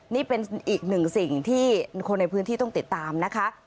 นี่เป็นอีกหนึ่งสิ่งที่คนในพื้นที่ต้องติดตามนะคะ